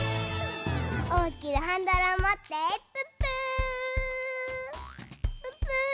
おおきなハンドルをもってプップープップー！